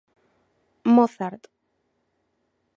Mozart.